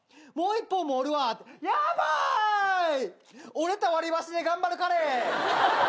折れた割り箸で頑張る彼。